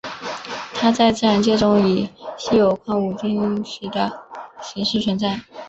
它在自然界中以稀有矿物羟铟石的形式存在。